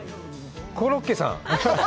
コロッケさん。